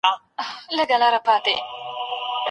د غالیو تر څنګ د څرمنو تجارت ولې مهم و؟